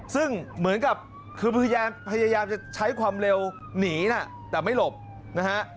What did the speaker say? ซึ่งเหมือนกับคือพยายามจะใช้ความเร็วหนีนะแต่ไม่หลบนะฮะ